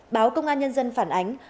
báo công an nhân dân phản ánh